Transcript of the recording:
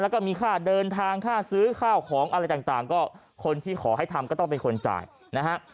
แล้วก็มีค่าเดินทางค่าซื้อข้าวของอะไรต่างก็คนที่ขอให้ทำก็ต้องเป็นคนจ่ายนะฮะ